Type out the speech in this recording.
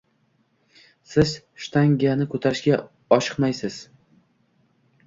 Siz shtangani ko’tarishga oshiqmaysiz.